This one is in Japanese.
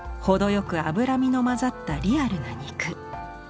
ほどよく脂身の混ざったリアルな肉。